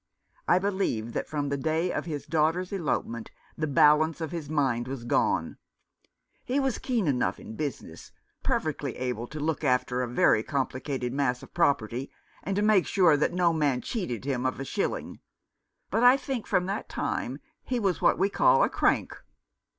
I believe that from the day of his daughter's elopement the balance of his mind was gone. He was keen enough in business, perfectly able to look after a very complicated mass of property, and to make sure that no man cheated him of a shilling — but I think from that time he was what we call a crank.